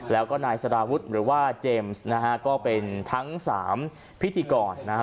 แล้วก็นายสารวุฒิหรือว่าเจมส์นะฮะก็เป็นทั้งสามพิธีกรนะฮะ